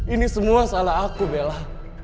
ini semua salah aku bella